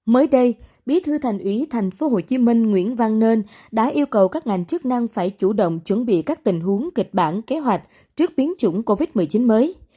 mới đây bí thư thành ủy thành phố hồ chí minh nguyễn văn nơn đã yêu cầu các ngành chức năng phải chủ động chuẩn bị các tình huống kịch bản kế hoạch trước biến chủng covid một mươi chín mới